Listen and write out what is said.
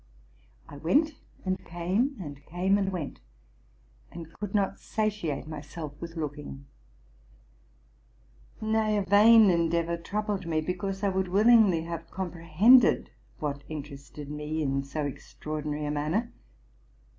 I went and came, and came and went, and could not satiate myself with looking; nay, a vain endeavor troubled me, because I would willingly have comprehended what interested me in so extraordinary a man ner.